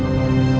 ibu bangun ibu